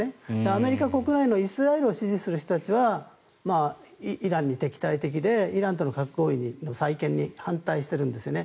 アメリカ国内のイスラエルを支持する人はイランに敵対的でイランとの核合意の再建に反対しているんですね。